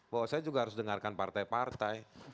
bahwa saya juga harus dengarkan partai partai